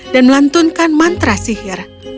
dan melantunkan mantra sihir